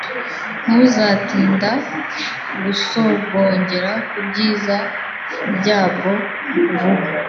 ntuzatinda gusogongera ku byiza byabwo vuba